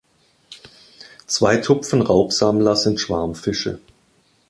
Zweitupfen-Raubsalmler sind Schwarmfische.